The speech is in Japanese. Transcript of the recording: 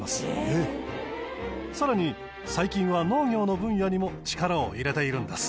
さらに最近は農業の分野にも力を入れているんです。